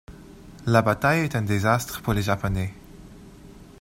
La bataille est un désastre pour les Japonais.